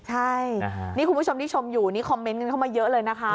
ใช่นี่คุณผู้ชมที่ชมอยู่นี่คอมเมนต์กันเข้ามาเยอะเลยนะคะ